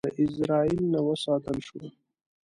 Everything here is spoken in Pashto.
له ازرائیل نه وساتل شو.